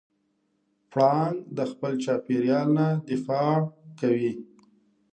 پړانګ د خپل چاپېریال نه دفاع کوي.